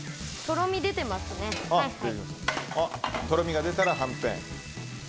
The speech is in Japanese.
とろみが出たらはんぺん。